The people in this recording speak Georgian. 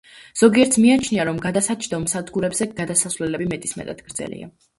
ზოგიერთს მიაჩნია, რომ გადასაჯდომ სადგურებზე გადასასვლელები მეტისმეტად გრძელია.